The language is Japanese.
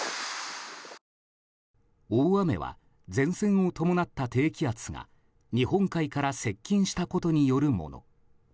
大雨は前線を伴った低気圧が日本海から接近したことによるもの。